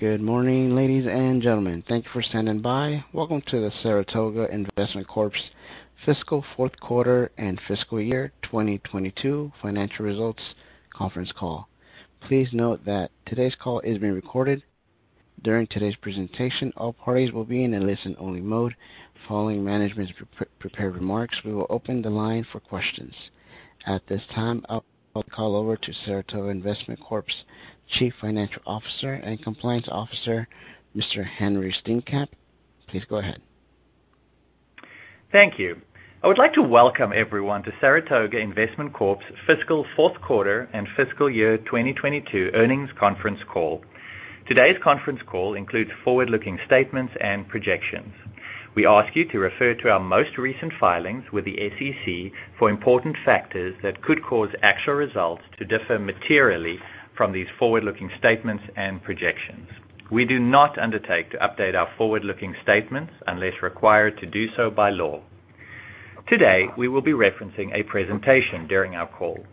Good morning, ladies and gentlemen. Thank you for standing by. Welcome to the Saratoga Investment Corp's fiscal fourth quarter and fiscal year 2022 financial results conference call. Please note that today's call is being recorded. During today's presentation, all parties will be in a listen-only mode. Following management's pre-prepared remarks, we will open the line for questions. At this time, I'll call over to Saratoga Investment Corp's Chief Financial Officer and Chief Compliance Officer, Mr. Henri Steenkamp. Please go ahead. Thank you. I would like to welcome everyone to Saratoga Investment Corp's fiscal fourth quarter and fiscal year 2022 earnings conference call. Today's conference call includes forward-looking statements and projections. We ask you to refer to our most recent filings with the SEC for important factors that could cause actual results to differ materially from these forward-looking statements and projections. We do not undertake to update our forward-looking statements unless required to do so by law. Today, we will be referencing a presentation during our call.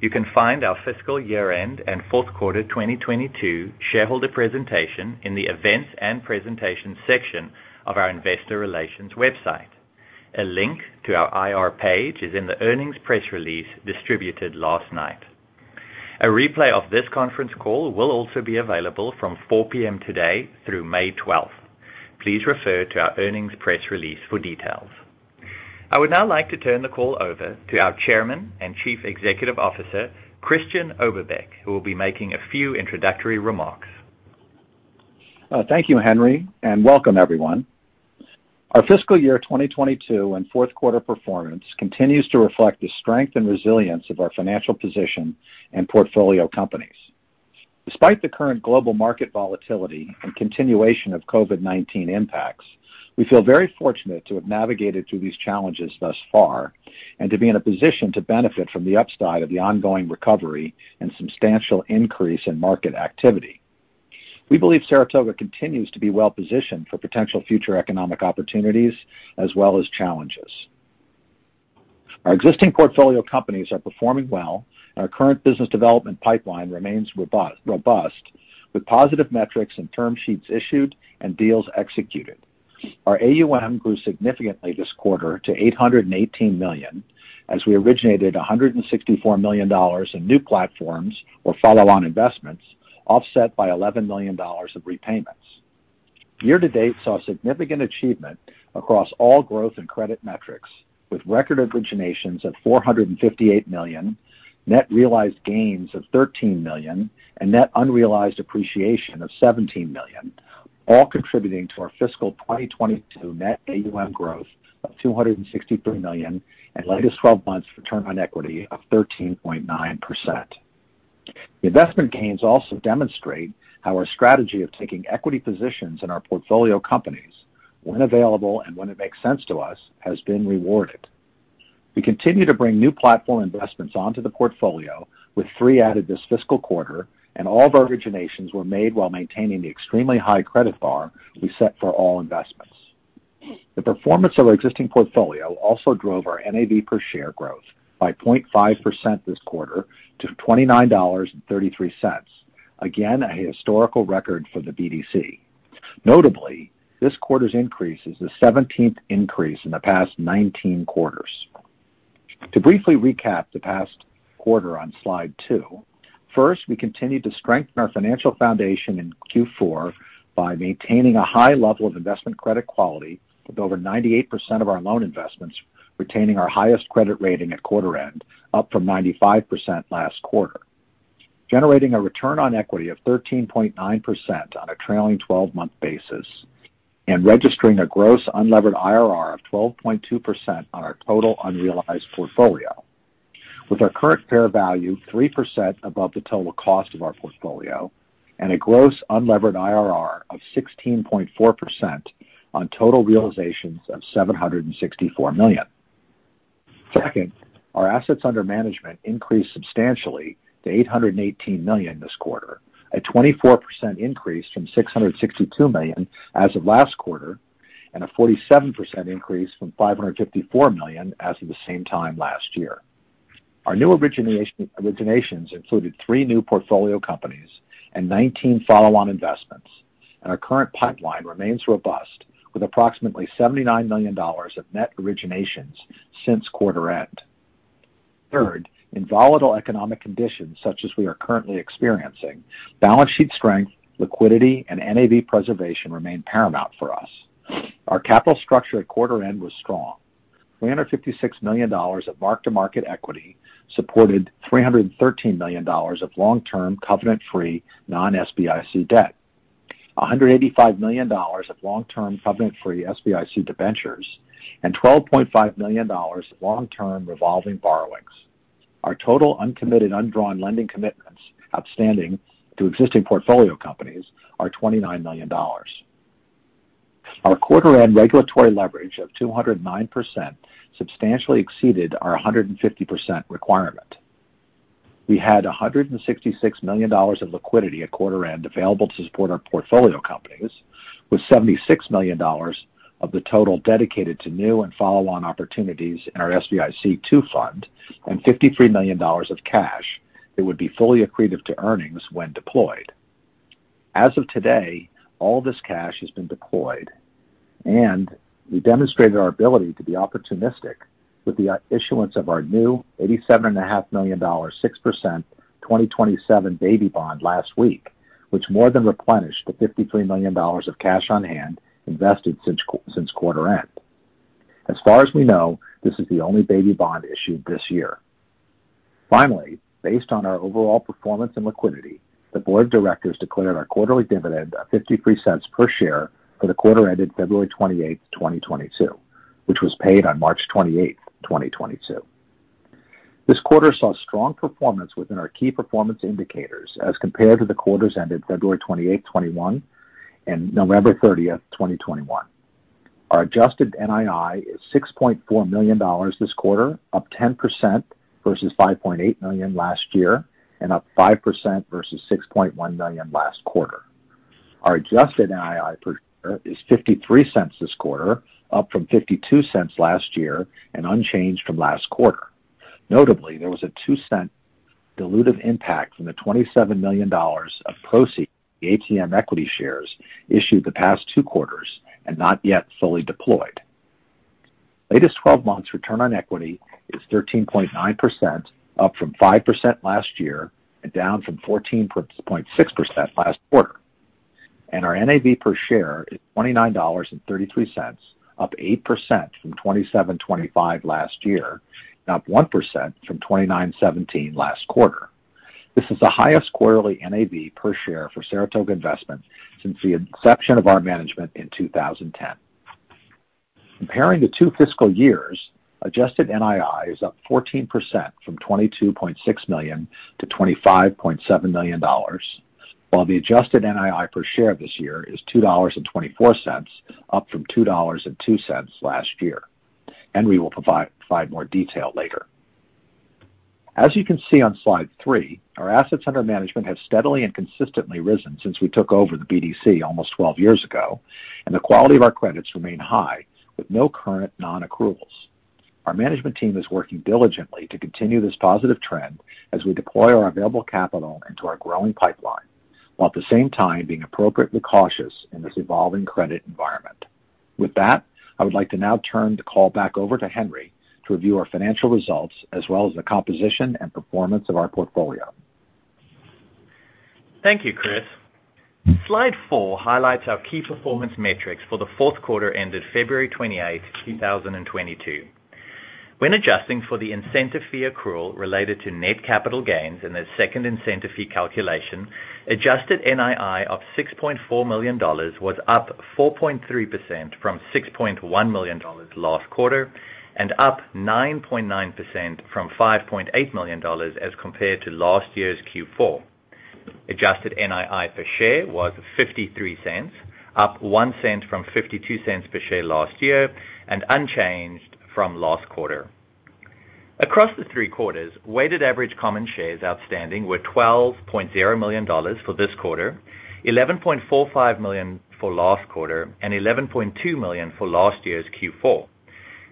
You can find our fiscal year-end and fourth quarter 2022 shareholder presentation in the Events and Presentation section of our investor relations website. A link to our IR page is in the earnings press release distributed last night. A replay of this conference call will also be available from 4:00 P.M. today through May 12. Please refer to our earnings press release for details. I would now like to turn the call over to our Chairman and Chief Executive Officer, Christian Oberbeck, who will be making a few introductory remarks. Thank you, Henri, and welcome everyone. Our fiscal year 2022 and fourth quarter performance continues to reflect the strength and resilience of our financial position and portfolio companies. Despite the current global market volatility and continuation of COVID-19 impacts, we feel very fortunate to have navigated through these challenges thus far and to be in a position to benefit from the upside of the ongoing recovery and substantial increase in market activity. We believe Saratoga continues to be well-positioned for potential future economic opportunities as well as challenges. Our existing portfolio companies are performing well, and our current business development pipeline remains very robust with positive metrics and term sheets issued and deals executed. Our AUM grew significantly this quarter to $818 million, as we originated $164 million in new platforms or follow-on investments, offset by $11 million of repayments. Year-to-date saw significant achievement across all growth and credit metrics, with record originations of $458 million, net realized gains of $13 million, and net unrealized appreciation of $17 million, all contributing to our fiscal 2022 net AUM growth of $263 million and latest 12 months return on equity of 13.9%. The investment gains also demonstrate how our strategy of taking equity positions in our portfolio companies, when available and when it makes sense to us, has been rewarded. We continue to bring new platform investments onto the portfolio, with three added this fiscal quarter, and all of our originations were made while maintaining the extremely high credit bar we set for all investments. The performance of our existing portfolio also drove our NAV per share growth by 0.5% this quarter to $29.33. Again, a historical record for the BDC. Notably, this quarter's increase is the 17th increase in the past 19 quarters. To briefly recap the past quarter on slide two. First, we continued to strengthen our financial foundation in Q4 by maintaining a high level of investment credit quality, with over 98% of our loan investments retaining our highest credit rating at quarter end, up from 95% last quarter. Generating a return on equity of 13.9% on a trailing 12-month basis and registering a gross unlevered IRR of 12.2% on our total unrealized portfolio. With our current fair value 3% above the total cost of our portfolio and a gross unlevered IRR of 16.4% on total realizations of $764 million. Second, our assets under management increased substantially to $818 million this quarter, a 24% increase from $662 million as of last quarter, and a 47% increase from $554 million as of the same time last year. Our new originations included three new portfolio companies and 19 follow-on investments. Our current pipeline remains robust, with approximately $79 million of net originations since quarter end. Third, in volatile economic conditions such as we are currently experiencing, balance sheet strength, liquidity, and NAV preservation remain paramount for us. Our capital structure at quarter end was strong. $356 million of mark-to-market equity supported $313 million of long-term covenant-free non-SBIC debt, $185 million of long-term covenant-free SBIC debentures, and $12.5 million long-term revolving borrowings. Our total uncommitted, undrawn lending commitments outstanding to existing portfolio companies are $29 million. Our quarter end regulatory leverage of 209% substantially exceeded our 150% requirement. We had $166 million of liquidity at quarter end available to support our portfolio companies. With $76 million of the total dedicated to new and follow-on opportunities in our SBIC II fund and $53 million of cash that would be fully accretive to earnings when deployed. As of today, all this cash has been deployed, and we demonstrated our ability to be opportunistic with the issuance of our new $87.5 million, 6% 2027 baby bond last week, which more than replenished the $53 million of cash on hand invested since quarter end. As far as we know, this is the only baby bond issued this year. Finally, based on our overall performance and liquidity, the board of directors declared our quarterly dividend of $0.53 per share for the quarter ended February 28, 2022, which was paid on March 28, 2022. This quarter saw strong performance within our key performance indicators as compared to the quarters ended February 28, 2021 and November 30, 2021. Our adjusted NII is $6.4 million this quarter, up 10% versus $5.8 million last year and up 5% versus $6.1 million last quarter. Our adjusted NII per share is $0.53 this quarter, up from $0.52 last year and unchanged from last quarter. Notably, there was a $0.02 Dilutive impact from the $27 million of proceeds ATM equity shares issued the past two quarters and not yet fully deployed. Latest 12 months return on equity is 13.9%, up from 5% last year and down from 14.6% last quarter. Our NAV per share is $29.33, up 8% from $27.25 last year, and up 1% from $29.17 last quarter. This is the highest quarterly NAV per share for Saratoga Investment since the inception of our management in 2010. Comparing the two fiscal years, adjusted NII is up 14% from $22.6 million to $25.7 million, while the adjusted NII per share this year is $2.24, up from $2.02 last year, and we will provide more detail later. As you can see on slide three, our assets under management have steadily and consistently risen since we took over the BDC almost 12 years ago, and the quality of our credits remain high with no current non-accruals. Our management team is working diligently to continue this positive trend as we deploy our available capital into our growing pipeline, while at the same time being appropriately cautious in this evolving credit environment. With that, I would like to now turn the call back over to Henri to review our financial results as well as the composition and performance of our portfolio. Thank you, Chris. Slide four highlights our key performance metrics for the fourth quarter ended February 28, 2022. When adjusting for the incentive fee accrual related to net capital gains in the second incentive fee calculation, adjusted NII of $6.4 million was up 4.3% from $6.1 million last quarter and up 9.9% from $5.8 million as compared to last year's Q4. Adjusted NII per share was $0.53, up $0.01 from $0.52 per share last year and unchanged from last quarter. Across the three quarters, weighted average common shares outstanding were 12.0 million shares for this quarter, 11.45 million shares for last quarter and 11.2 million shares for last year's Q4.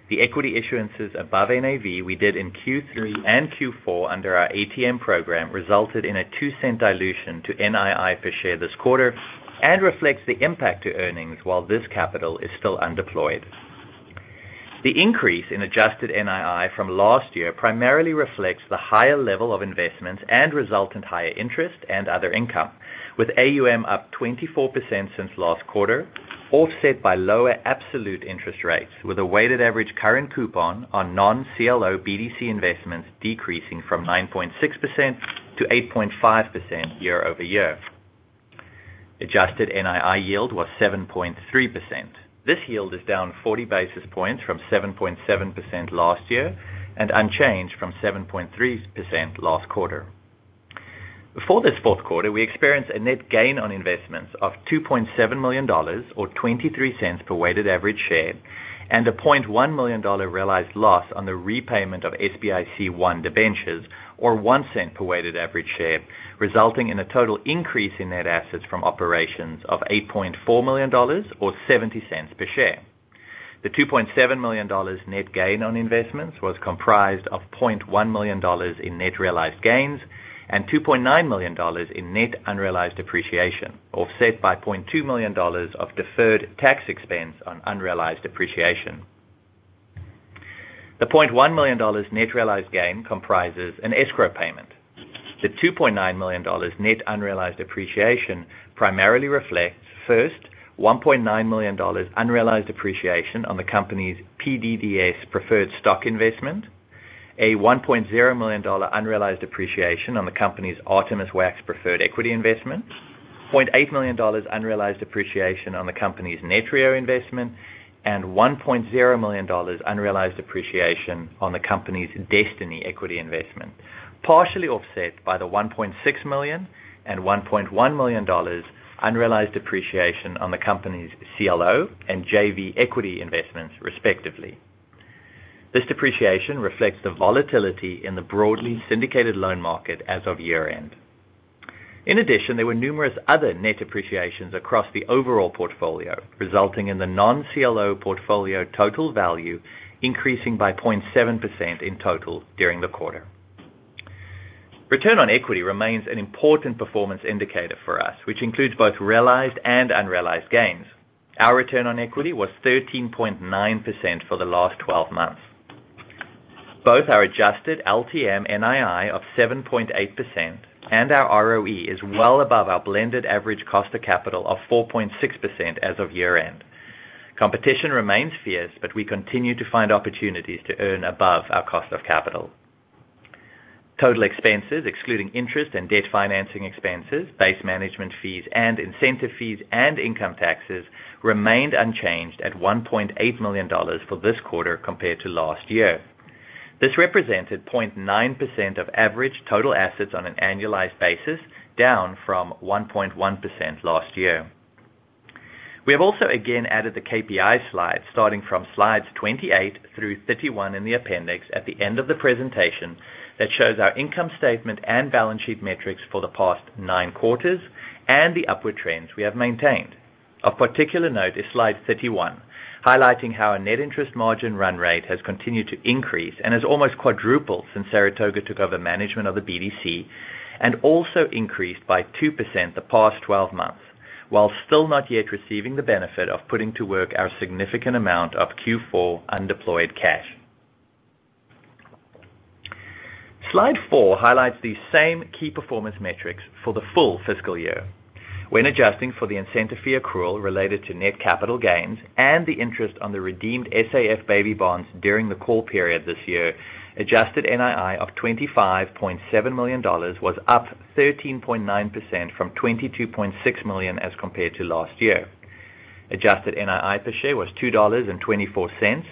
The equity issuances above NAV we did in Q3 and Q4 under our ATM program resulted in a $0.02 dilution to NII per share this quarter and reflects the impact to earnings while this capital is still undeployed. The increase in adjusted NII from last year primarily reflects the higher level of investments and resultant higher interest and other income, with AUM up 24% since last quarter, offset by lower absolute interest rates, with a weighted average current coupon on non-CLO BDC investments decreasing from 9.6%-8.5% year-over-year. Adjusted NII yield was 7.3%. This yield is down 40 basis points from 7.7% last year and unchanged from 7.3% last quarter. Before this fourth quarter, we experienced a net gain on investments of $2.7 million or $0.23 per weighted average share, and a $0.1 million realized loss on the repayment of SBIC I debentures, or $0.01 per weighted average share, resulting in a total increase in net assets from operations of $8.4 million or $0.70 per share. The $2.7 million net gain on investments was comprised of $0.1 million in net realized gains and $2.9 million in net unrealized appreciation, offset by $0.2 million of deferred tax expense on unrealized appreciation. The $0.1 million net realized gain comprises an escrow payment. The $2.9 million net unrealized appreciation primarily reflects first $1.9 million unrealized appreciation on the company's PDDS preferred stock investment, a $1.0 million unrealized appreciation on the company's Artemis Wax preferred equity investment, $0.8 million unrealized appreciation on the company's Netrio investment, and $1.0 million unrealized appreciation on the company's Destiny equity investment, partially offset by the $1.6 million and $1.1 million unrealized depreciation on the company's CLO and JV equity investments, respectively. This depreciation reflects the volatility in the broadly syndicated loan market as of year-end. In addition, there were numerous other net appreciations across the overall portfolio, resulting in the non-CLO portfolio total value increasing by 0.7% in total during the quarter. Return on equity remains an important performance indicator for us, which includes both realized and unrealized gains. Our return on equity was 13.9% for the last 12 months. Both our adjusted LTM NII of 7.8% and our ROE is well above our blended average cost of capital of 4.6% as of year-end. Competition remains fierce, but we continue to find opportunities to earn above our cost of capital. Total expenses, excluding interest and debt financing expenses, base management fees and incentive fees and income taxes remained unchanged at $1.8 million for this quarter compared to last year. This represented 0.9% of average total assets on an annualized basis, down from 1.1% last year. We have also again added the KPI slide starting from slides 28 through 31 in the appendix at the end of the presentation that shows our income statement and balance sheet metrics for the past nine quarters and the upward trends we have maintained. Of particular note is slide 31, highlighting how our net interest margin run rate has continued to increase and has almost quadrupled since Saratoga took over management of the BDC and also increased by 2% the past 12 months, while still not yet receiving the benefit of putting to work our significant amount of Q4 undeployed cash. Slide four highlights the same key performance metrics for the full fiscal year. When adjusting for the incentive fee accrual related to net capital gains and the interest on the redeemed SAF baby bonds during the call period this year, adjusted NII of $25.7 million was up 13.9% from $22.6 million as compared to last year. Adjusted NII per share was $2.24,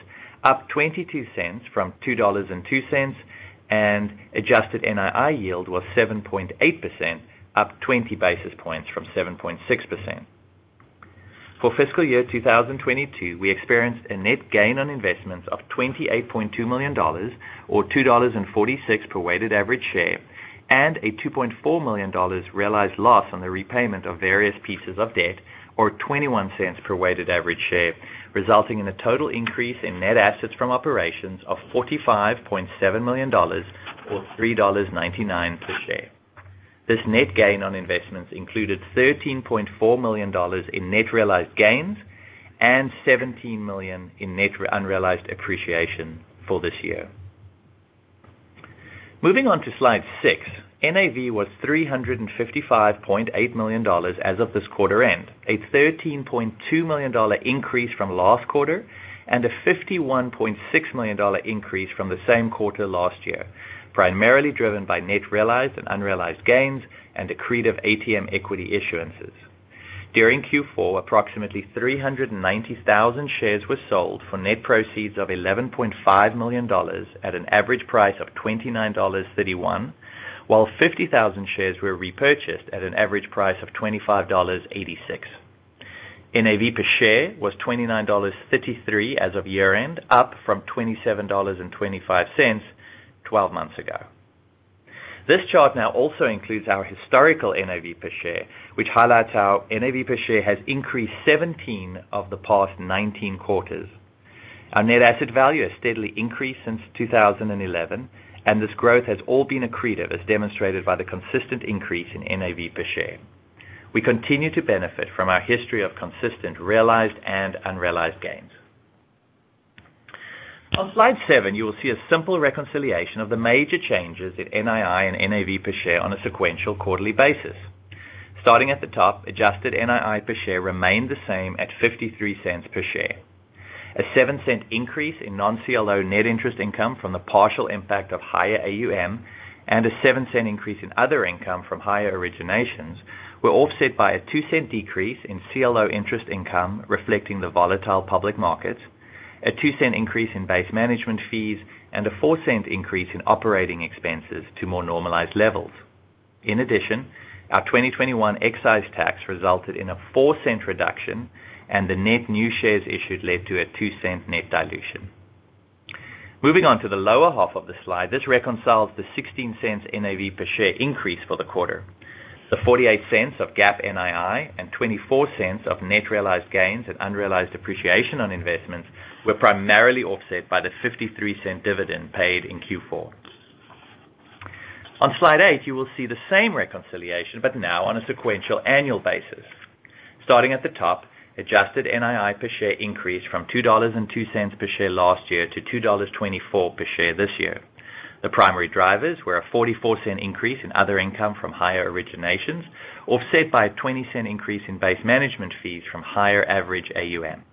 up $0.22 from $2.02, and adjusted NII yield was 7.8%, up 20 basis points from 7.6%. For fiscal year 2022, we experienced a net gain on investments of $28.2 million or $2.46 per weighted average share, and a $2.4 million realized loss on the repayment of various pieces of debt or $0.21 per weighted average share, resulting in a total increase in net assets from operations of $45.7 million or $3.99 per share. This net gain on investments included $13.4 million in net realized gains and $17 million in net unrealized appreciation for this year. Moving on to slide six. NAV was $355.8 million as of this quarter end, a $13.2 million increase from last quarter and a $51.6 million increase from the same quarter last year, primarily driven by net realized and unrealized gains and accretive ATM equity issuances. During Q4, approximately 390,000 shares were sold for net proceeds of $11.5 million at an average price of $29.31, while 50,000 shares were repurchased at an average price of $25.86. NAV per share was $29.33 as of year-end, up from $27.25 12 months ago. This chart now also includes our historical NAV per share, which highlights how NAV per share has increased 17 of the past 19 quarters. Our net asset value has steadily increased since 2011, and this growth has all been accretive, as demonstrated by the consistent increase in NAV per share. We continue to benefit from our history of consistent realized and unrealized gains. On slide seven, you will see a simple reconciliation of the major changes in NII and NAV per share on a sequential quarterly basis. Starting at the top, adjusted NII per share remained the same at $0.53 per share. A $0.07 increase in non-CLO net interest income from the partial impact of higher AUM and a $0.07 increase in other income from higher originations were offset by a $0.02 decrease in CLO interest income, reflecting the volatile public markets, a $0.02 increase in base management fees, and a $0.04 increase in operating expenses to more normalized levels. In addition, our 2021 excise tax resulted in a $0.04 reduction, and the net new shares issued led to a $0.02 net dilution. Moving on to the lower half of the slide. This reconciles the $0.16 NAV per share increase for the quarter. The $0.48 of GAAP NII and $0.24 of net realized gains and unrealized appreciation on investments were primarily offset by the $0.53 dividend paid in Q4. On slide eight, you will see the same reconciliation, but now on a sequential annual basis. Starting at the top, adjusted NII per share increased from $2.02 per share last year to $2.24 per share this year. The primary drivers were a $0.44 increase in other income from higher originations, offset by a $0.20 increase in base management fees from higher average AUM.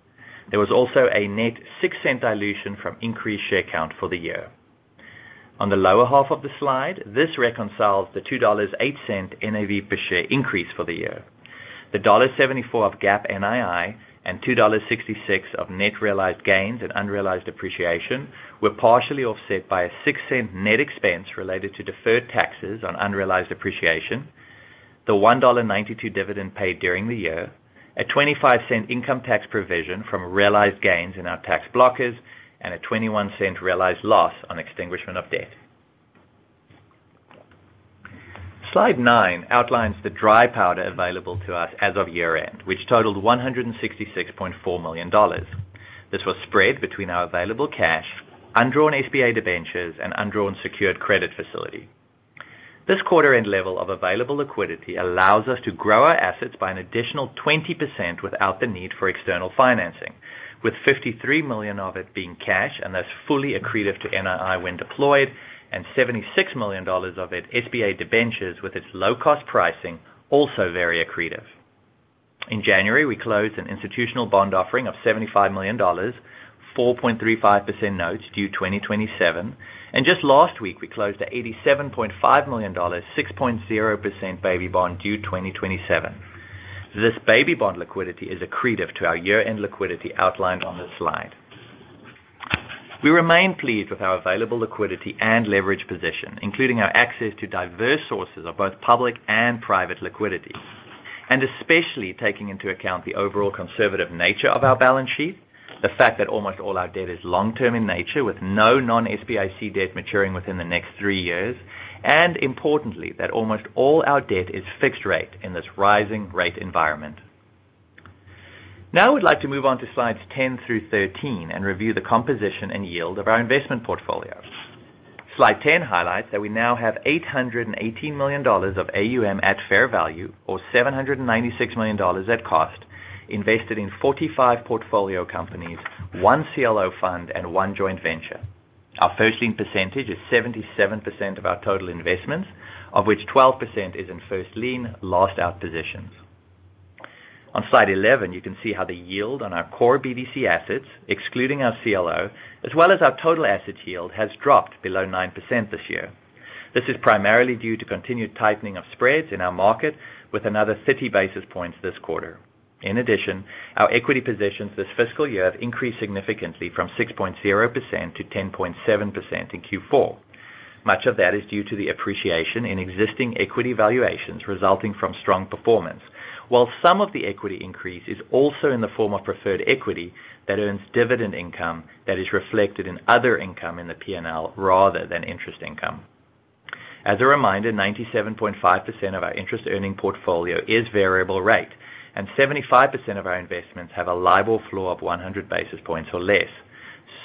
There was also a net $0.06 dilution from increased share count for the year. On the lower half of the slide, this reconciles the $2.08 NAV per share increase for the year. The $1.74 of GAAP NII and $2.66 of net realized gains and unrealized appreciation were partially offset by a $0.06 net expense related to deferred taxes on unrealized appreciation. The $1.92 dividend paid during the year, a $0.25 income tax provision from realized gains in our tax blockers, and a $0.21 realized loss on extinguishment of debt. Slide nine outlines the dry powder available to us as of year-end, which totaled $166.4 million. This was spread between our available cash, undrawn SBA debentures, and undrawn secured credit facility. This quarter-end level of available liquidity allows us to grow our assets by an additional 20% without the need for external financing, with $53 million of it being cash, and that's fully accretive to NII when deployed, and $76 million of it SBA debentures with its low-cost pricing, also very accretive. In January, we closed an institutional bond offering of $75 million, 4.35% notes due 2027, and just last week, we closed at $87.5 million, 6.0% baby bond due 2027. This baby bond liquidity is accretive to our year-end liquidity outlined on this slide. We remain pleased with our available liquidity and leverage position, including our access to diverse sources of both public and private liquidity, and especially taking into account the overall conservative nature of our balance sheet, the fact that almost all our debt is long-term in nature with no non-SBIC debt maturing within the next three years, and importantly, that almost all our debt is fixed rate in this rising rate environment. Now I would like to move on to slides 10 through 13 and review the composition and yield of our investment portfolio. Slide 10 highlights that we now have $818 million of AUM at fair value or $796 million at cost invested in 45 portfolio companies, one CLO fund and one joint venture. Our first lien percentage is 77% of our total investments, of which 12% is in first lien last out positions. On slide 11, you can see how the yield on our core BDC assets, excluding our CLO, as well as our total assets yield has dropped below 9% this year. This is primarily due to continued tightening of spreads in our market with another 50 basis points this quarter. In addition, our equity positions this fiscal year have increased significantly from 6.0%-10.7% in Q4. Much of that is due to the appreciation in existing equity valuations resulting from strong performance, while some of the equity increase is also in the form of preferred equity that earns dividend income that is reflected in other income in the P&L rather than interest income. As a reminder, 97.5% of our interest earning portfolio is variable rate, and 75% of our investments have a LIBOR floor of 100 basis points or less.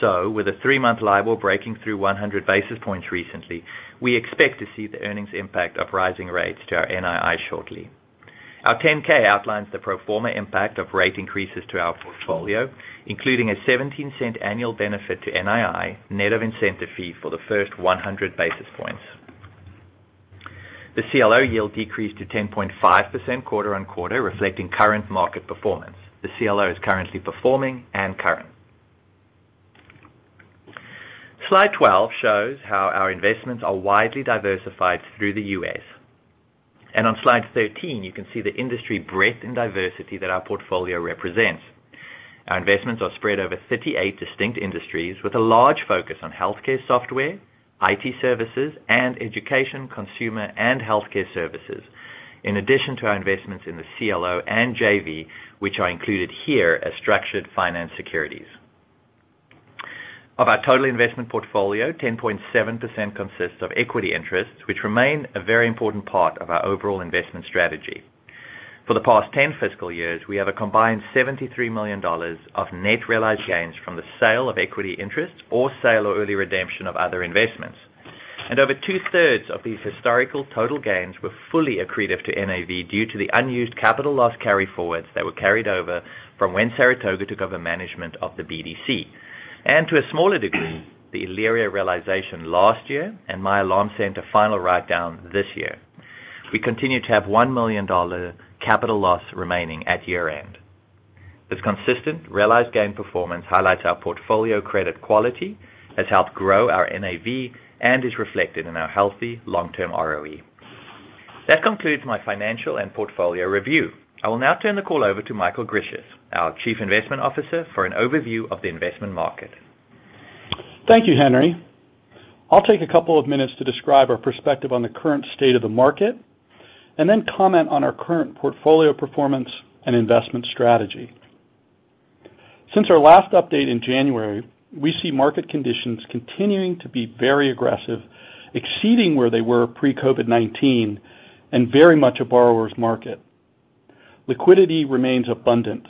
With a three-month LIBOR breaking through 100 basis points recently, we expect to see the earnings impact of rising rates to our NII shortly. Our 10-K outlines the pro forma impact of rate increases to our portfolio, including a $0.17 annual benefit to NII, net of incentive fee for the first 100 basis points. The CLO yield decreased to 10.5% quarter-over-quarter, reflecting current market performance. The CLO is currently performing and current. Slide 12 shows how our investments are widely diversified throughout the U.S. On slide 13, you can see the industry breadth and diversity that our portfolio represents. Our investments are spread over 38 distinct industries with a large focus on healthcare software, IT services, and education, consumer, and healthcare services. In addition to our investments in the CLO and JV, which are included here as structured finance securities. Of our total investment portfolio, 10.7% consists of equity interests, which remain a very important part of our overall investment strategy. For the past 10 fiscal years, we have a combined $73 million of net realized gains from the sale of equity interests or sale or early redemption of other investments. Over 2/3 of these historical total gains were fully accretive to NAV due to the unused capital loss carryforwards that were carried over from when Saratoga took over management of the BDC. To a smaller degree, the Elyria realization last year and My Alarm Center final writedown this year. We continue to have $1 million capital loss remaining at year-end. This consistent realized gain performance highlights our portfolio credit quality, has helped grow our NAV, and is reflected in our healthy long-term ROE. That concludes my financial and portfolio review. I will now turn the call over to Michael Grisius, our Chief Investment Officer, for an overview of the investment market. Thank you, Henri. I'll take a couple of minutes to describe our perspective on the current state of the market, and then comment on our current portfolio performance and investment strategy. Since our last update in January, we see market conditions continuing to be very aggressive, exceeding where they were pre-COVID-19 and very much a borrower's market. Liquidity remains abundant.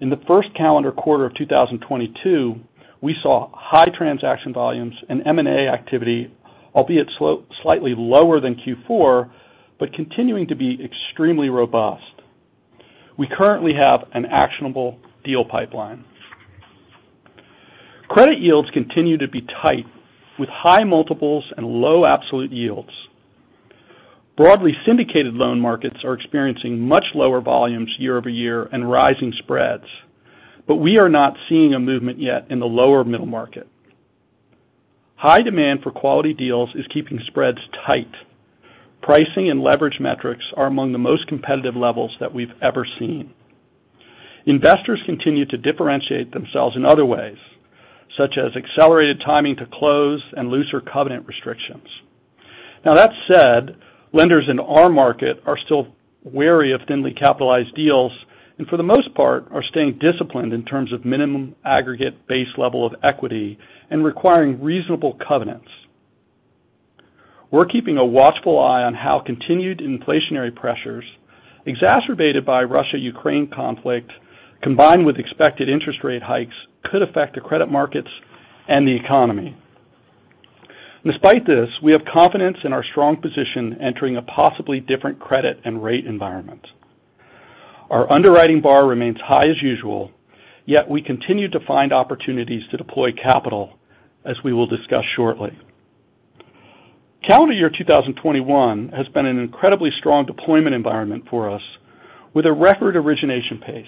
In the first calendar quarter of 2022, we saw high transaction volumes and M&A activity, albeit slightly lower than Q4, but continuing to be extremely robust. We currently have an actionable deal pipeline. Credit yields continue to be tight with high multiples and low absolute yields. Broadly syndicated loan markets are experiencing much lower volumes year over year and rising spreads, but we are not seeing a movement yet in the lower middle market. High demand for quality deals is keeping spreads tight. Pricing and leverage metrics are among the most competitive levels that we've ever seen. Investors continue to differentiate themselves in other ways, such as accelerated timing to close and looser covenant restrictions. Now that said, lenders in our market are still wary of thinly capitalized deals, and for the most part, are staying disciplined in terms of minimum aggregate base level of equity and requiring reasonable covenants. We're keeping a watchful eye on how continued inflationary pressures, exacerbated by Russia-Ukraine conflict, combined with expected interest rate hikes, could affect the credit markets and the economy. Despite this, we have confidence in our strong position entering a possibly different credit and rate environment. Our underwriting bar remains high as usual, yet we continue to find opportunities to deploy capital, as we will discuss shortly. Calendar year 2021 has been an incredibly strong deployment environment for us, with a record origination pace.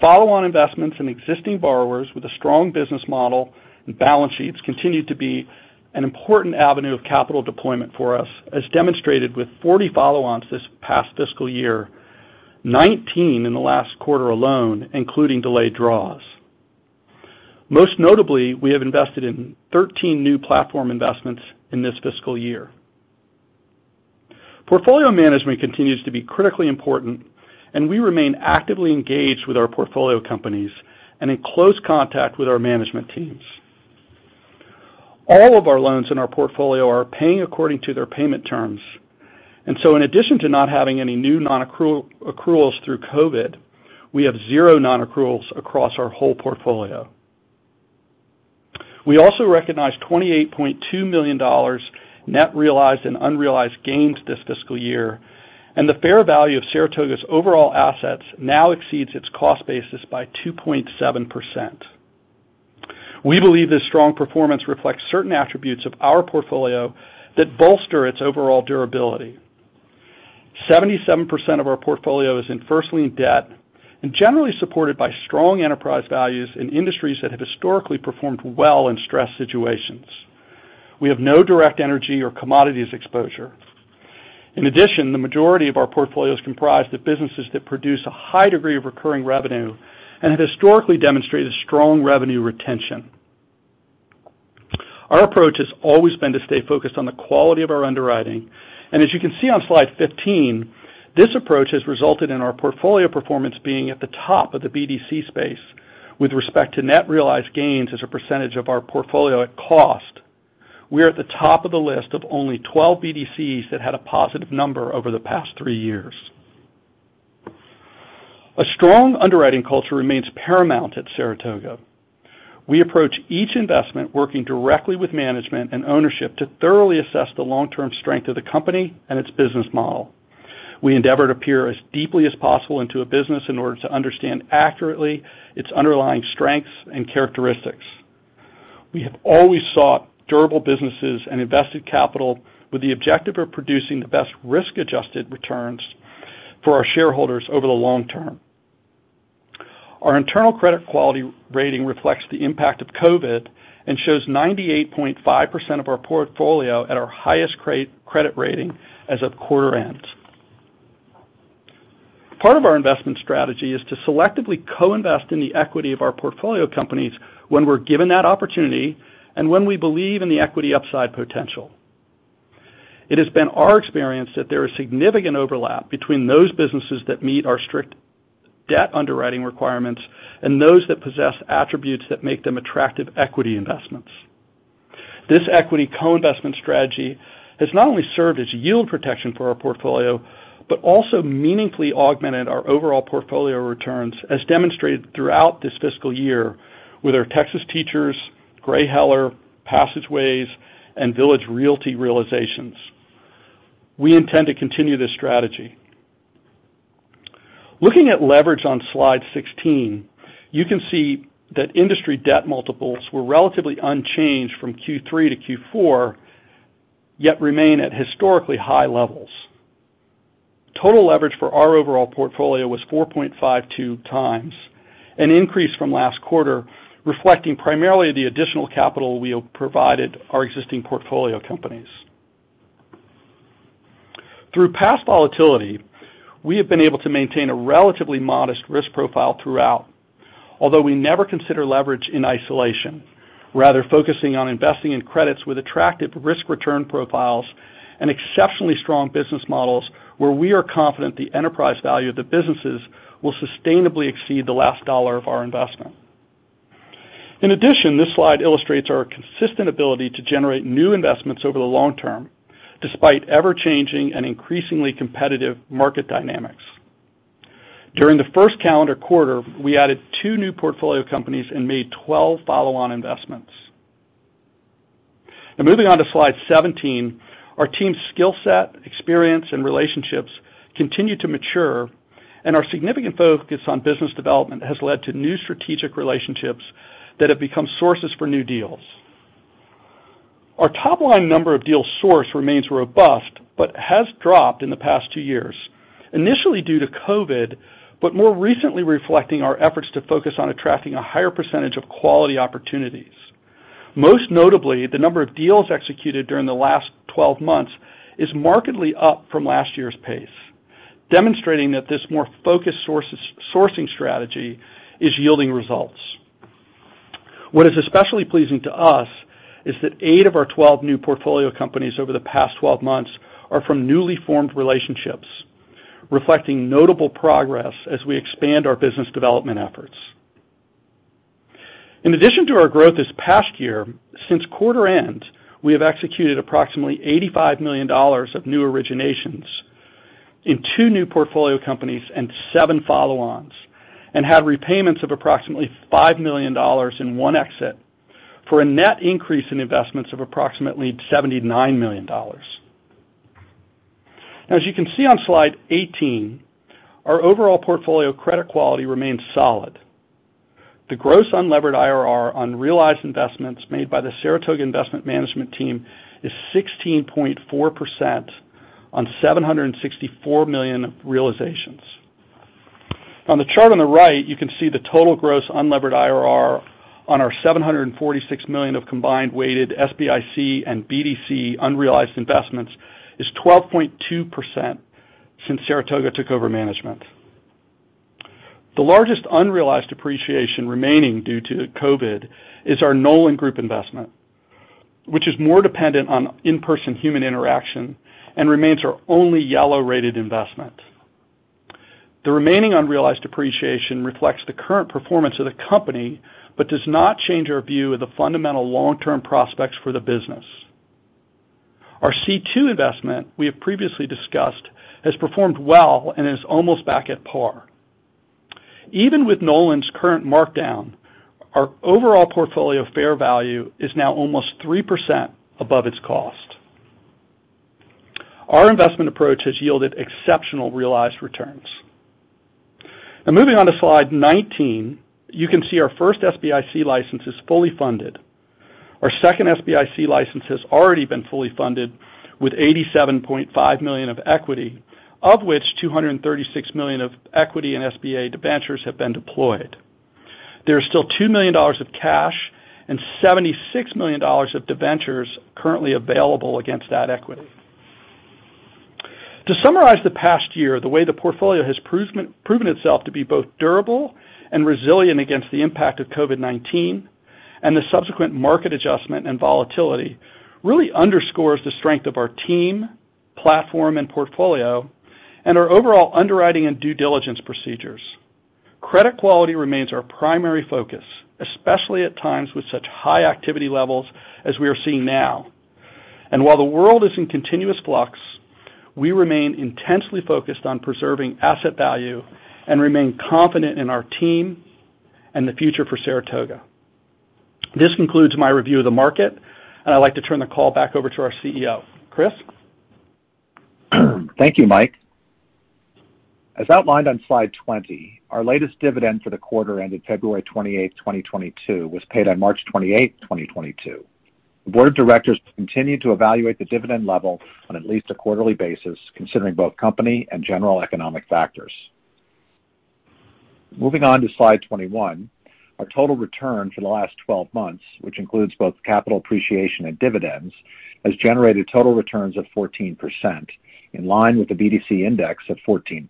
Follow-on investments in existing borrowers with a strong business model and balance sheets continue to be an important avenue of capital deployment for us, as demonstrated with 40 follow-ons this past fiscal year, 19 in the last quarter alone, including delayed draws. Most notably, we have invested in 13 new platform investments in this fiscal year. Portfolio management continues to be critically important, and we remain actively engaged with our portfolio companies and in close contact with our management teams. All of our loans in our portfolio are paying according to their payment terms. In addition to not having any new non-accrual accruals through COVID, we have zero non-accruals across our whole portfolio. We also recognized $28.2 million net realized and unrealized gains this fiscal year, and the fair value of Saratoga's overall assets now exceeds its cost basis by 2.7%. We believe this strong performance reflects certain attributes of our portfolio that bolster its overall durability. 77% of our portfolio is in first lien debt and generally supported by strong enterprise values in industries that have historically performed well in stress situations. We have no direct energy or commodities exposure. In addition, the majority of our portfolio is comprised of businesses that produce a high degree of recurring revenue and have historically demonstrated strong revenue retention. Our approach has always been to stay focused on the quality of our underwriting. As you can see on slide 15, this approach has resulted in our portfolio performance being at the top of the BDC space with respect to net realized gains as a percentage of our portfolio at cost. We are at the top of the list of only 12 BDCs that had a positive number over the past three years. A strong underwriting culture remains paramount at Saratoga. We approach each investment working directly with management and ownership to thoroughly assess the long-term strength of the company and its business model. We endeavor to peer as deeply as possible into a business in order to understand accurately its underlying strengths and characteristics. We have always sought durable businesses and invested capital with the objective of producing the best risk-adjusted returns for our shareholders over the long term. Our internal credit quality rating reflects the impact of COVID and shows 98.5% of our portfolio at our highest credit rating as of quarter end. Part of our investment strategy is to selectively co-invest in the equity of our portfolio companies when we're given that opportunity and when we believe in the equity upside potential. It has been our experience that there is significant overlap between those businesses that meet our strict debt underwriting requirements and those that possess attributes that make them attractive equity investments. This equity co-investment strategy has not only served as yield protection for our portfolio, but also meaningfully augmented our overall portfolio returns, as demonstrated throughout this fiscal year with our Texas Teachers, Gray Heller, Passageways, and Village Realty realizations. We intend to continue this strategy. Looking at leverage on slide 16, you can see that industry debt multiples were relatively unchanged from Q3 to Q4, yet remain at historically high levels. Total leverage for our overall portfolio was 4.52x, an increase from last quarter, reflecting primarily the additional capital we have provided our existing portfolio companies. Through past volatility, we have been able to maintain a relatively modest risk profile throughout. Although we never consider leverage in isolation, rather focusing on investing in credits with attractive risk-return profiles and exceptionally strong business models where we are confident the enterprise value of the businesses will sustainably exceed the last dollar of our investment. In addition, this slide illustrates our consistent ability to generate new investments over the long term despite ever-changing and increasingly competitive market dynamics. During the first calendar quarter, we added two new portfolio companies and made 12 follow-on investments. Moving on to slide 17, our team's skill set, experience, and relationships continue to mature, and our significant focus on business development has led to new strategic relationships that have become sources for new deals. Our top-line number of deals sourced remains robust but has dropped in the past two years, initially due to COVID, but more recently reflecting our efforts to focus on attracting a higher percentage of quality opportunities. Most notably, the number of deals executed during the last 12 months is markedly up from last year's pace, demonstrating that this more focused sourcing strategy is yielding results. What is especially pleasing to us is that eight of our 12 new portfolio companies over the past 12 months are from newly formed relationships, reflecting notable progress as we expand our business development efforts. In addition to our growth this past year, since quarter end, we have executed approximately $85 million of new originations in two new portfolio companies and seven follow-ons, and had repayments of approximately $5 million in one exit for a net increase in investments of approximately $79 million. As you can see on slide 18, our overall portfolio credit quality remains solid. The gross unlevered IRR on realized investments made by the Saratoga Investment management team is 16.4% on $764 million realizations. On the chart on the right, you can see the total gross unlevered IRR on our $746 million of combined weighted SBIC and BDC unrealized investments is 12.2% since Saratoga took over management. The largest unrealized appreciation remaining due to COVID is our Nolan Group investment, which is more dependent on in-person human interaction and remains our only yellow-rated investment. The remaining unrealized appreciation reflects the current performance of the company, but does not change our view of the fundamental long-term prospects for the business. Our C2 investment, we have previously discussed, has performed well and is almost back at par. Even with Nolan's current markdown, our overall portfolio fair value is now almost 3% above its cost. Our investment approach has yielded exceptional realized returns. Now moving on to slide 19. You can see our first SBIC license is fully funded. Our second SBIC license has already been fully funded with $87.5 million of equity, of which $236 million of equity in SBA debentures have been deployed. There are still $2 million of cash and $76 million of debentures currently available against that equity. To summarize the past year, the way the portfolio has proven itself to be both durable and resilient against the impact of COVID-19 and the subsequent market adjustment and volatility really underscores the strength of our team, platform, and portfolio, and our overall underwriting and due diligence procedures. Credit quality remains our primary focus, especially at times with such high activity levels as we are seeing now. While the world is in continuous flux, we remain intensely focused on preserving asset value and remain confident in our team and the future for Saratoga. This concludes my review of the market, and I'd like to turn the call back over to our CEO. Chris? Thank you, Mike. As outlined on slide 20, our latest dividend for the quarter ended February 28, 2022, was paid on March 28, 2022. The board of directors continued to evaluate the dividend level on at least a quarterly basis, considering both company and general economic factors. Moving on to slide 21. Our total return for the last 12 months, which includes both capital appreciation and dividends, has generated total returns of 14%, in line with the BDC index of 14%.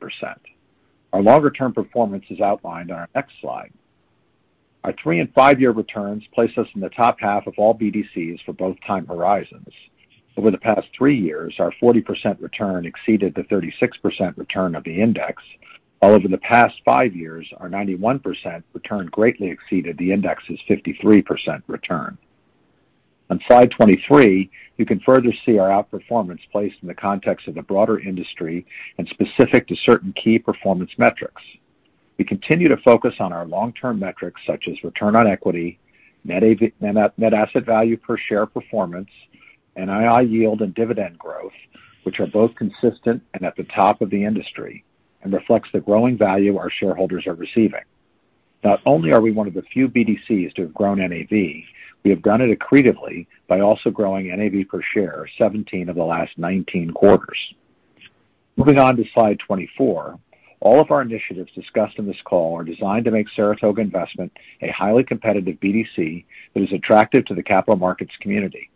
Our longer-term performance is outlined on our next slide. Our three- and five-year returns place us in the top half of all BDCs for both time horizons. Over the past three years, our 40% return exceeded the 36% return of the index, while over the past five years, our 91% return greatly exceeded the index's 53% return. On slide 23, you can further see our outperformance placed in the context of the broader industry and specific to certain key performance metrics. We continue to focus on our long-term metrics, such as return on equity, net asset value per share performance, NII yield, and dividend growth, which are both consistent and at the top of the industry and reflects the growing value our shareholders are receiving. Not only are we one of the few BDCs to have grown NAV, we have done it accretively by also growing NAV per share 17 of the last 19 quarters. Moving on to slide 24. All of our initiatives discussed in this call are designed to make Saratoga Investment a highly competitive BDC that is attractive to the capital markets community.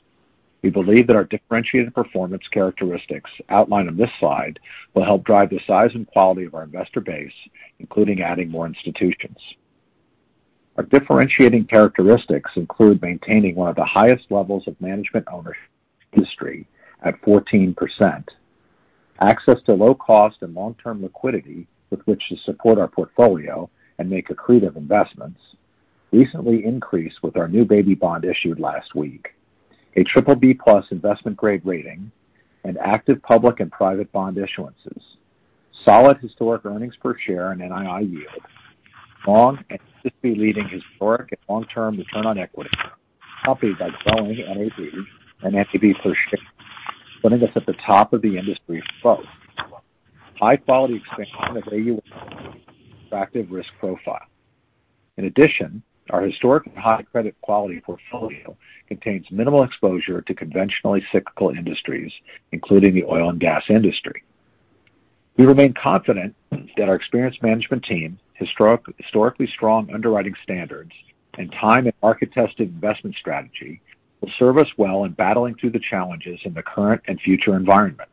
We believe that our differentiated performance characteristics outlined on this slide will help drive the size and quality of our investor base, including adding more institutions. Our differentiating characteristics include maintaining one of the highest levels of management ownership in history at 14%, access to low cost and long-term liquidity with which to support our portfolio and make accretive investments, recently increased with our new baby bond issued last week, a BBB+ investment grade rating, and active public and private bond issuances, solid historic earnings per share and NII yield, long and industry-leading historic and long-term return on equity, accompanied by growing NAV and NAV per share, putting us at the top of the industry in both. High-quality expansion of AUM and attractive risk profile. In addition, our historic and high credit quality portfolio contains minimal exposure to conventionally cyclical industries, including the oil and gas industry. We remain confident that our experienced management team, historically strong underwriting standards, and time and market-tested investment strategy will serve us well in battling through the challenges in the current and future environment,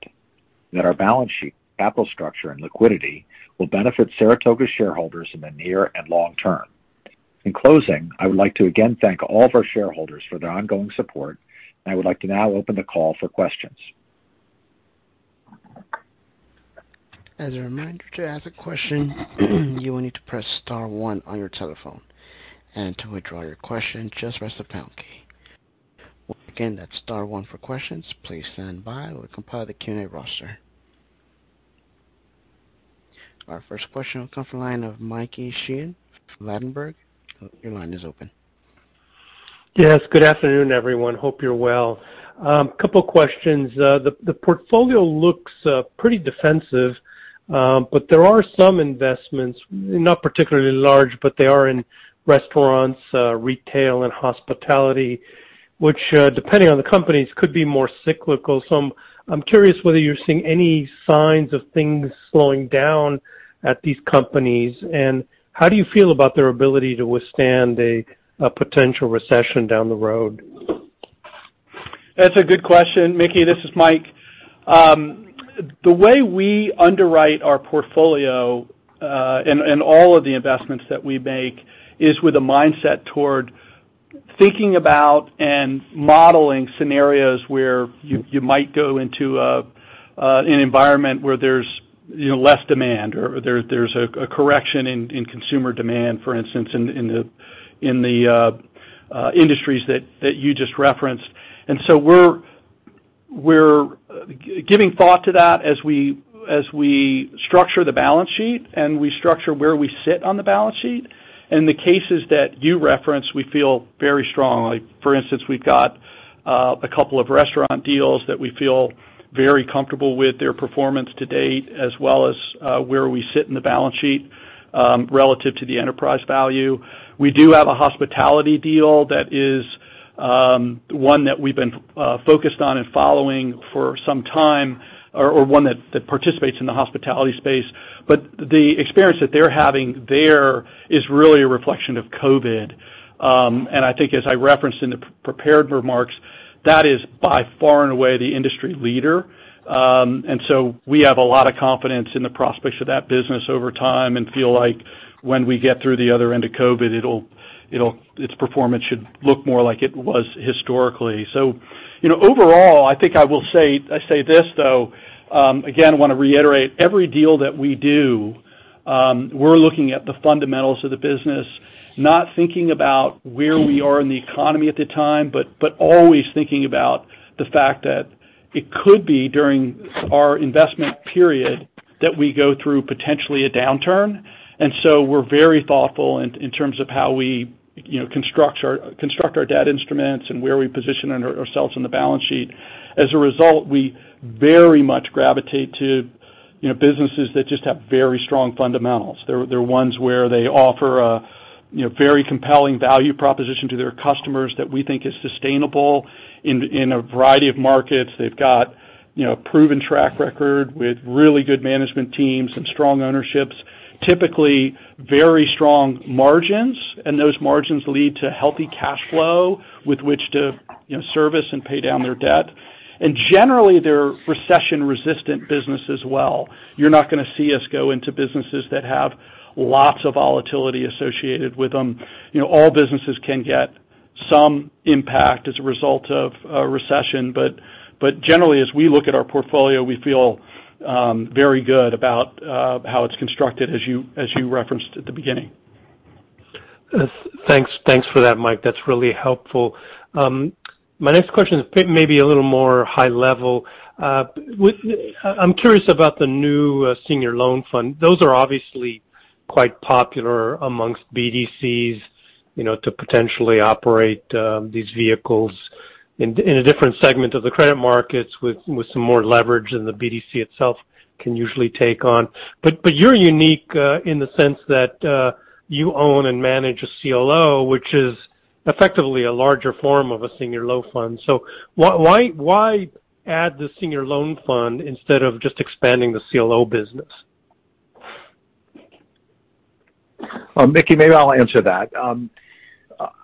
that our balance sheet, capital structure, and liquidity will benefit Saratoga shareholders in the near and long term. In closing, I would like to again thank all of our shareholders for their ongoing support. I would like to now open the call for questions. As a reminder, to ask a question, you will need to press star one on your telephone. To withdraw your question, just press the pound key. Again, that's star one for questions. Please stand by while we compile the Q&A roster. Our first question will come from the line of Mickey Schleien from Ladenburg. Your line is open. Yes, good afternoon, everyone. Hope you're well. Couple questions. The portfolio looks pretty defensive, but there are some investments, not particularly large, but they are in restaurants, retail and hospitality, which, depending on the companies, could be more cyclical. I'm curious whether you're seeing any signs of things slowing down at these companies, and how do you feel about their ability to withstand a potential recession down the road? That's a good question. Mickey, this is Mike. The way we underwrite our portfolio, in all of the investments that we make is with a mindset toward thinking about and modeling scenarios where you might go into an environment where there's, you know, less demand or there's a correction in consumer demand, for instance, in the industries that you just referenced. We're giving thought to that as we structure the balance sheet and we structure where we sit on the balance sheet. In the cases that you referenced, we feel very strongly. For instance, we've got a couple of restaurant deals that we feel very comfortable with their performance to date as well as where we sit in the balance sheet relative to the enterprise value. We do have a hospitality deal that is one that we've been focused on and following for some time or one that participates in the hospitality space. The experience that they're having there is really a reflection of COVID. I think as I referenced in the prepared remarks, that is by far and away the industry leader. We have a lot of confidence in the prospects of that business over time and feel like when we get through the other end of COVID, its performance should look more like it was historically. You know, overall, I think I will say, I say this, though, again, wanna reiterate, every deal that we do, we're looking at the fundamentals of the business, not thinking about where we are in the economy at the time, but always thinking about the fact that it could be during our investment period that we go through potentially a downturn. We're very thoughtful in terms of how we, you know, construct our debt instruments and where we position ourselves on the balance sheet. As a result, we very much gravitate to, you know, businesses that just have very strong fundamentals. They're ones where they offer a, you know, very compelling value proposition to their customers that we think is sustainable in a variety of markets. They've got, you know, proven track record with really good management teams and strong ownerships, typically very strong margins, and those margins lead to healthy cash flow with which to, you know, service and pay down their debt. Generally, they're recession-resistant business as well. You're not gonna see us go into businesses that have lots of volatility associated with them. You know, all businesses can get some impact as a result of a recession. Generally, as we look at our portfolio, we feel very good about how it's constructed as you referenced at the beginning. Thanks. Thanks for that, Mike. That's really helpful. My next question is maybe a little more high level. I'm curious about the new senior loan fund. Those are obviously quite popular among BDCs, you know, to potentially operate these vehicles in a different segment of the credit markets with some more leverage than the BDC itself can usually take on. But you're unique in the sense that you own and manage a CLO, which is effectively a larger form of a senior loan fund. Why add the senior loan fund instead of just expanding the CLO business? Mickey, maybe I'll answer that.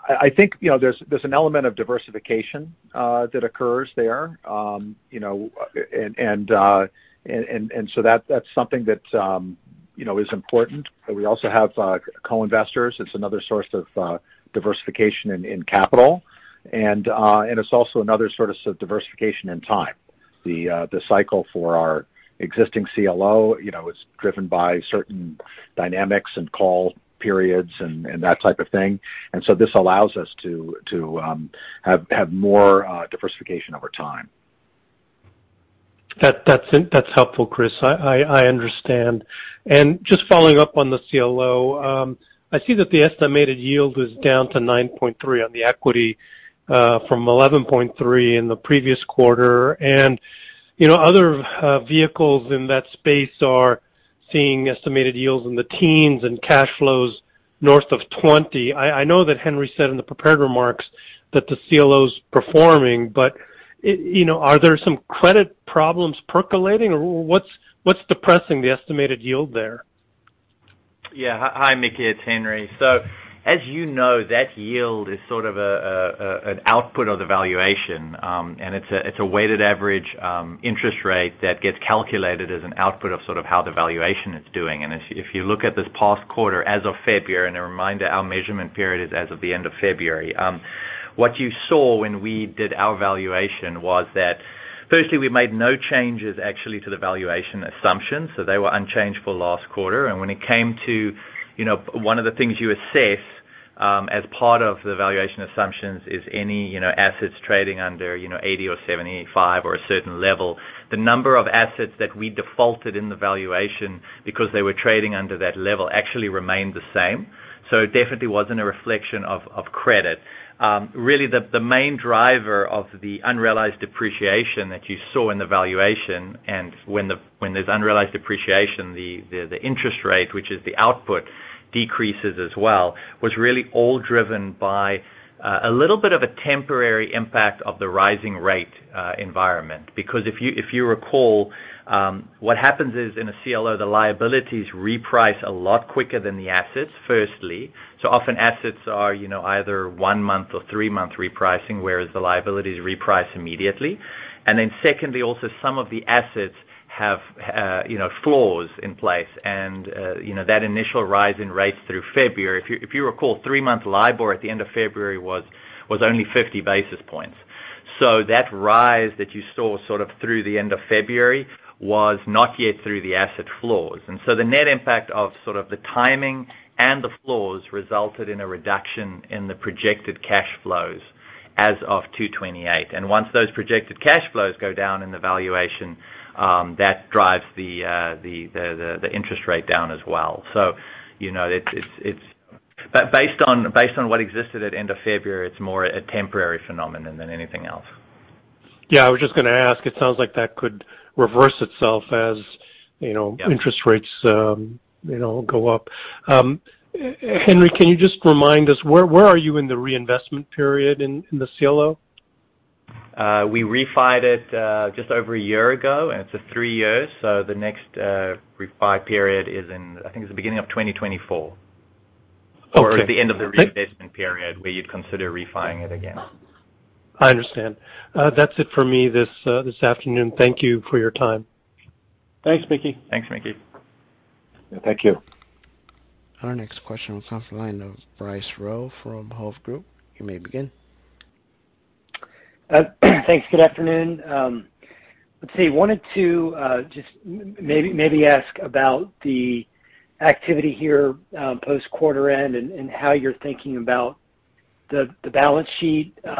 I think, you know, there's an element of diversification that occurs there. You know, and so that's something that, you know, is important. We also have co-investors. It's another source of diversification in capital. It's also another source of diversification and time. The cycle for our existing CLO, you know, is driven by certain dynamics and call periods and that type of thing. This allows us to have more diversification over time. That's helpful, Chris. I understand. Just following up on the CLO, I see that the estimated yield is down to 9.3 on the equity, from 11.3 in the previous quarter. You know, other vehicles in that space are seeing estimated yields in the teens and cash flows north of 20. I know that Henry said in the prepared remarks that the CLO is performing, but you know, are there some credit problems percolating? Or what's depressing the estimated yield there? Yeah. Hi, Mickey, it's Henri. As you know, that yield is sort of an output of the valuation, and it's a weighted average interest rate that gets calculated as an output of sort of how the valuation is doing. If you look at this past quarter as of February, and a reminder, our measurement period is as of the end of February. What you saw when we did our valuation was that firstly, we made no changes actually to the valuation assumptions. They were unchanged for last quarter. When it came to, you know, one of the things you assess as part of the valuation assumptions is any, you know, assets trading under, you know, 80 or 75 or a certain level. The number of assets that we defaulted in the valuation because they were trading under that level actually remained the same. It definitely wasn't a reflection of credit. Really the main driver of the unrealized depreciation that you saw in the valuation, and when there's unrealized depreciation, the interest rate, which is the output decreases as well, was really all driven by a little bit of a temporary impact of the rising rate environment. Because if you recall, what happens is in a CLO, the liabilities reprice a lot quicker than the assets, firstly. Often assets are, you know, either one-month or three-month repricing, whereas the liabilities reprice immediately. Then secondly, also some of the assets have, you know, floors in place. You know, that initial rise in rates through February. If you recall, three-month LIBOR at the end of February was only 50 basis points. That rise that you saw sort of through the end of February was not yet through the asset floors. The net impact of sort of the timing and the floors resulted in a reduction in the projected cash flows as of 2/28. Once those projected cash flows go down in the valuation, that drives the interest rate down as well. You know, it's. Based on what existed at end of February, it's more a temporary phenomenon than anything else. Yeah. I was just gonna ask, it sounds like that could reverse itself as, you know. Yeah. interest rates, you know, go up. Henri, can you just remind us where are you in the reinvestment period in the CLO? We refi'd it just over a year ago, and it's for three years. The next refi period is in, I think, the beginning of 2024. Okay. The end of the reinvestment period where you'd consider refinancing it again. I understand. That's it for me this afternoon. Thank you for your time. Thanks, Mickey. Thanks, Mickey. Thank you. Our next question comes off the line of Bryce Rowe from Hovde Group. You may begin. Thanks. Good afternoon. Let's see, wanted to just maybe ask about the activity here post quarter end and how you're thinking about the balance sheet, you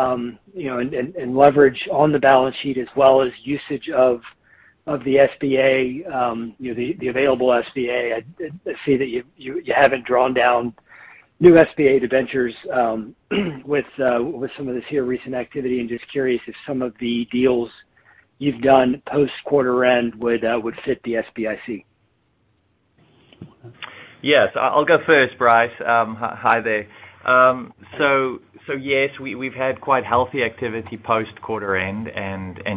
know, and leverage on the balance sheet as well as usage of the SBA, you know, the available SBA. I see that you haven't drawn down new SBA debentures with some of this here recent activity. I'm just curious if some of the deals you've done post quarter end would fit the SBIC. Yes. I'll go first, Bryce. Hi there. So yes, we've had quite healthy activity post quarter end.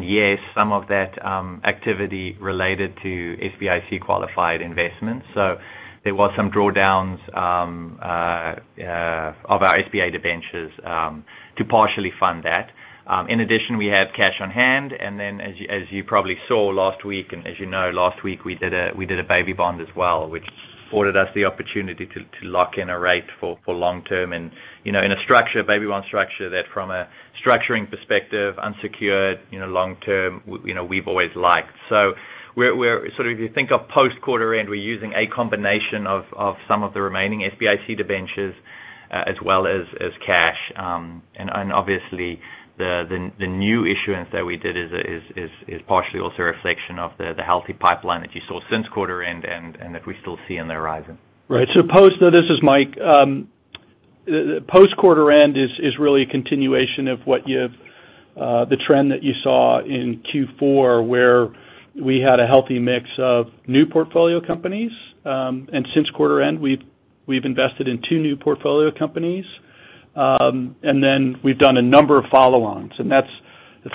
Yes, some of that activity related to SBIC qualified investments. So there was some drawdowns of our SBA debentures to partially fund that. In addition, we have cash on hand, and then as you probably saw last week, and as you know, last week, we did a baby bond as well, which afforded us the opportunity to lock in a rate for long term. You know, in a structure, baby bond structure that from a structuring perspective, unsecured, you know, long term, you know, we've always liked. We're sort of if you think of post quarter end, we're using a combination of some of the remaining SBIC debentures, as well as cash. Obviously, the new issuance that we did is partially also a reflection of the healthy pipeline that you saw since quarter end and that we still see on the horizon. Right. Post quarter end is really a continuation of the trend that you saw in Q4, where we had a healthy mix of new portfolio companies. Since quarter end, we've invested in two new portfolio companies. We've done a number of follow-ons, and that's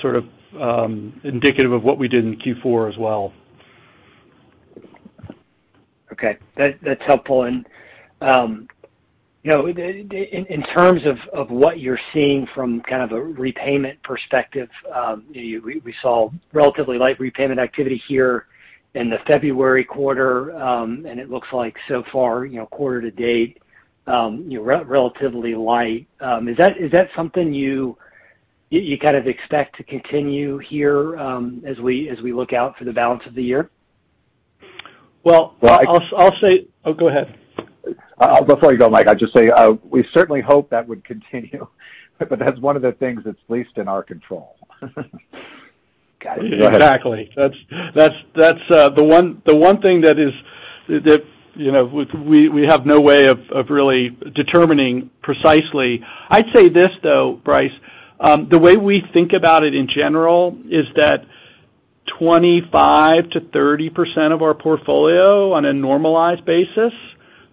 sort of indicative of what we did in Q4 as well. Okay. That's helpful. You know, in terms of what you're seeing from kind of a repayment perspective, we saw relatively light repayment activity here in the February quarter. It looks like so far, you know, quarter to date, you know, relatively light. Is that something you kind of expect to continue here, as we look out for the balance of the year? Well, I'll say. Oh, go ahead. Before you go, Mike, I'd just say, we certainly hope that would continue, but that's one of the things that's least in our control. Gotcha. Exactly. That's the one thing that, you know, we have no way of really determining precisely. I'd say this though, Bryce, the way we think about it in general is that 25%-30% of our portfolio on a normalized basis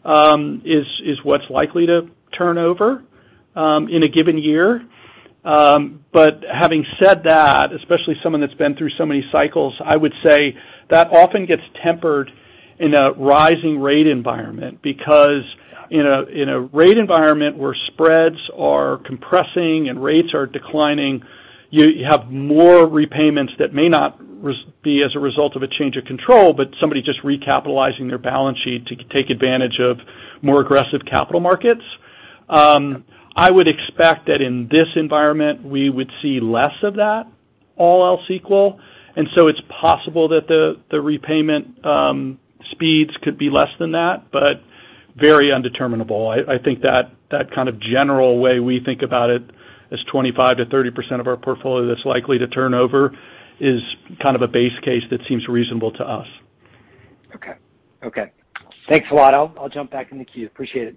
is what's likely to turn over in a given year. Having said that, especially someone that's been through so many cycles, I would say that often gets tempered in a rising rate environment because, you know, in a rate environment where spreads are compressing and rates are declining, you have more repayments that may not be as a result of a change of control, but somebody just recapitalizing their balance sheet to take advantage of more aggressive capital markets. I would expect that in this environment, we would see less of that all else equal. It's possible that the repayment speeds could be less than that, but very undeterminable. I think that kind of general way we think about it as 25%-30% of our portfolio that's likely to turn over is kind of a base case that seems reasonable to us. Okay. Thanks a lot. I'll jump back in the queue. Appreciate it.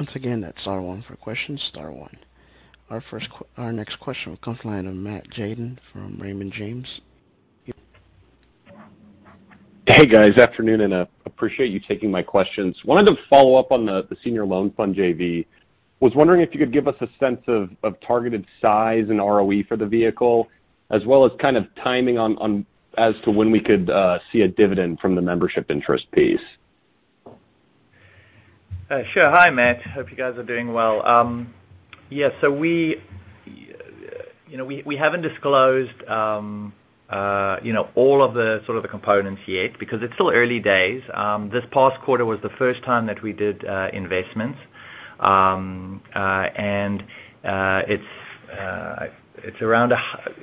Once again, that's star one for questions, star one. Our next question will come from the line of Matt Tjaden from Raymond James. Hey, guys. Afternoon, and appreciate you taking my questions. Wanted to follow up on the senior loan fund JV. Was wondering if you could give us a sense of targeted size and ROE for the vehicle as well as kind of timing on as to when we could see a dividend from the membership interest piece. Sure. Hi, Matt. Hope you guys are doing well. Yes, so we, you know, we haven't disclosed you know, all of the sort of components yet because it's still early days. This past quarter was the first time that we did investments. It's around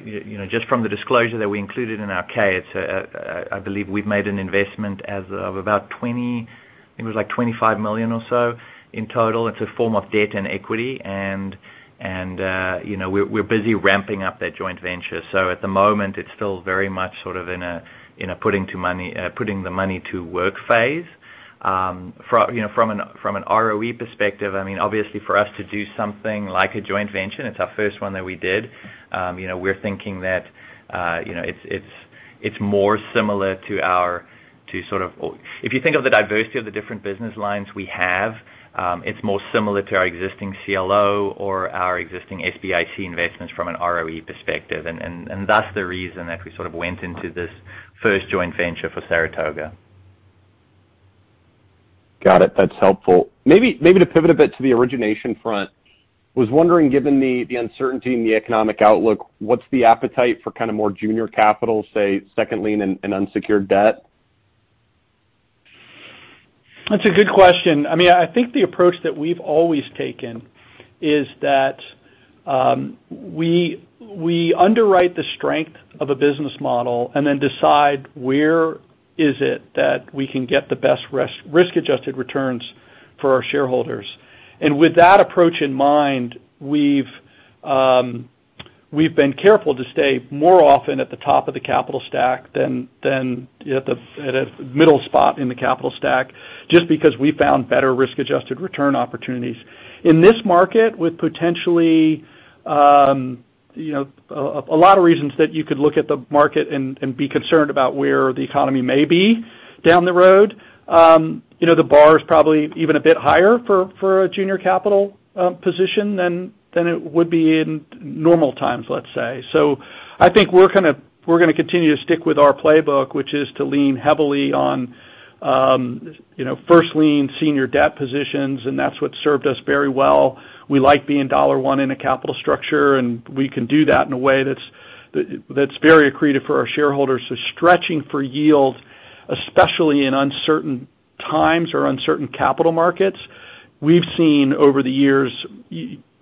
you know, just from the disclosure that we included in our 10-K. I believe we've made an investment as of about $25 million or so in total. It's a form of debt and equity and you know, we're busy ramping up that joint venture. At the moment, it's still very much sort of in a putting the money to work phase. You know, from an ROE perspective, I mean, obviously for us to do something like a joint venture, and it's our first one that we did, you know, we're thinking that, you know, if you think of the diversity of the different business lines we have, it's more similar to our existing CLO or our existing SBIC investments from an ROE perspective. That's the reason that we sort of went into this first joint venture for Saratoga. Got it. That's helpful. Maybe to pivot a bit to the origination front. Was wondering, given the uncertainty in the economic outlook, what's the appetite for kind of more junior capital, say, second lien and unsecured debt? That's a good question. I mean, I think the approach that we've always taken is that we underwrite the strength of a business model and then decide where is it that we can get the best risk-adjusted returns for our shareholders. With that approach in mind, we've been careful to stay more often at the top of the capital stack than at a middle spot in the capital stack, just because we found better risk-adjusted return opportunities. In this market with potentially you know a lot of reasons that you could look at the market and be concerned about where the economy may be down the road you know the bar is probably even a bit higher for a junior capital position than it would be in normal times, let's say. I think we're gonna continue to stick with our playbook, which is to lean heavily on, you know, first lien senior debt positions, and that's what served us very well. We like being dollar one in a capital structure, and we can do that in a way that's very accretive for our shareholders. Stretching for yield, especially in uncertain times or uncertain capital markets, we've seen over the years,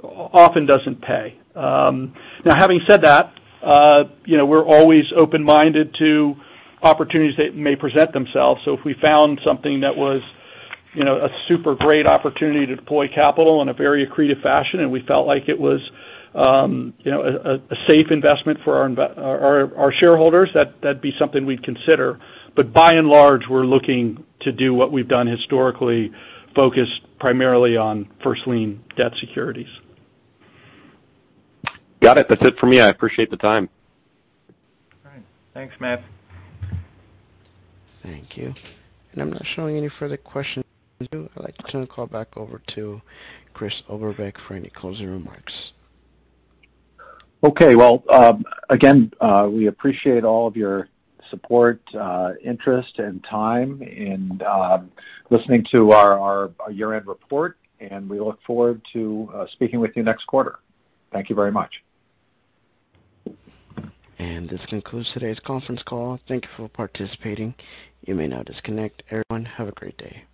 often doesn't pay. Now having said that, you know, we're always open-minded to opportunities that may present themselves. If we found something that was, you know, a super great opportunity to deploy capital in a very accretive fashion and we felt like it was, you know, a safe investment for our shareholders, that'd be something we'd consider. By and large, we're looking to do what we've done historically, focused primarily on first lien debt securities. Got it. That's it for me. I appreciate the time. All right. Thanks, Matt. Thank you. I'm not showing any further questions. I'd like to turn the call back over to Chris Oberbeck for any closing remarks. Okay. Well, again, we appreciate all of your support, interest and time and listening to our year-end report, and we look forward to speaking with you next quarter. Thank you very much. This concludes today's conference call. Thank you for participating. You may now disconnect. Everyone, have a great day.